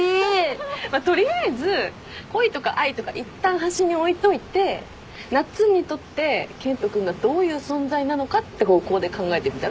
まあ取りあえず恋とか愛とかいったん端に置いといてなっつんにとって健人君がどういう存在なのかって方向で考えてみたら？